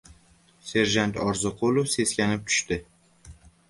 Serjant Orziqulov seskanib tushdi.